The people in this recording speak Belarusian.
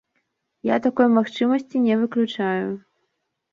Я такой магчымасці не выключаю.